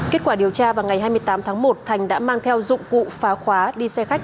kết quả điều tra vào ngày hai mươi tám tháng một thành đã mang theo dụng cụ phá khóa đi xe khách